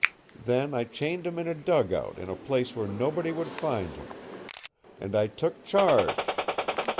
Then I chained him in a dugout in a place where nobody would find him. And I took charge.